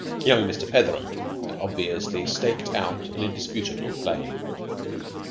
Young Mr. Petheram had obviously staked out an indisputable claim.